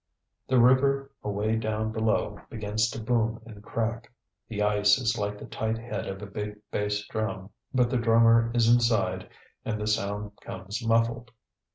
The river, away down below, begins to boom and crack. The ice is like the tight head of a big bass drum, but the drummer is inside and the sound comes muffled.